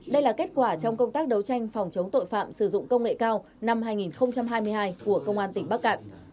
đây là kết quả trong công tác đấu tranh phòng chống tội phạm sử dụng công nghệ cao năm hai nghìn hai mươi hai của công an tỉnh bắc cạn